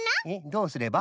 どうすれば？